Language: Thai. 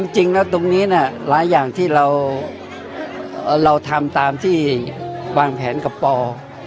จริงแล้วตรงนี้หลายอย่างที่เราทำตามที่วางแผนกับปอ